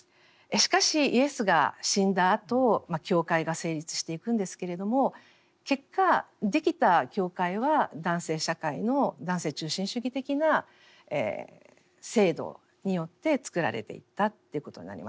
しかしイエスが死んだあと教会が成立していくんですけれども結果できた教会は男性社会の男性中心主義的な制度によってつくられていったっていうことになります。